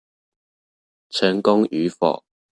成功與否